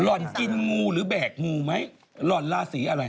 ห่อนกินงูหรือแบกงูไหมหล่อนราศีอะไร